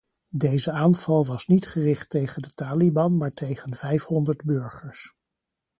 Deze aanval was niet gericht tegen de taliban maar tegen vijfhonderd burgers.